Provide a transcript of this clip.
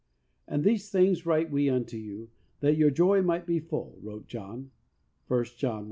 "And these things write we unto you that your joy might be full," wrote John, (i John 1:4.)